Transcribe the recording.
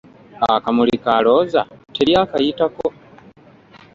Akamuli ka Looza teri akayitako!